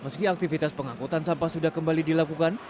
meski aktivitas pengangkutan sampah sudah kembali dilakukan